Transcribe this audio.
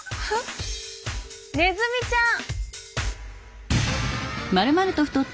ネズミちゃん。